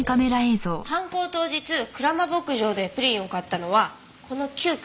犯行当日蔵間牧場でプリンを買ったのはこの９組。